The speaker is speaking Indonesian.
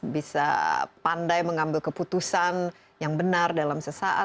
bisa pandai mengambil keputusan yang benar dalam sesaat